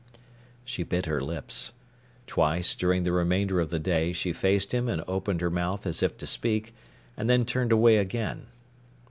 She bit her lips. Twice, during the remainder of the day, she faced him and opened her mouth as if to speak, and then turned away again.